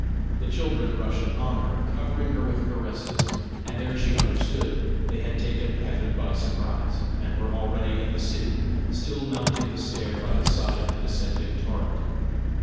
The children rushed upon her, covering her with caresses, and ere she understood, they had taken heaven by surprise, and were already in the city, still mounting the stair by the side of the descending torrent.